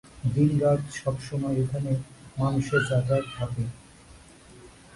দিন রাত সব সবসময় এখানে মানুষের যাতায়াত থাকে।